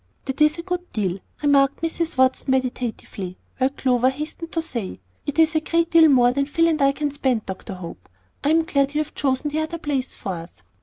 "That is a good deal," remarked Mrs. Watson, meditatively, while Clover hastened to say, "It is a great deal more than Phil and I can spend, Dr. Hope; I am glad you have chosen the other place for us."